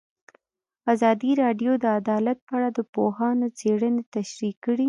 ازادي راډیو د عدالت په اړه د پوهانو څېړنې تشریح کړې.